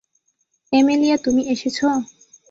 Amelia তুমি এসেছো?